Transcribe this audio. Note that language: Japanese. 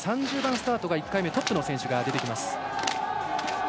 ３０番スタートが１回目トップの選手が出てきます。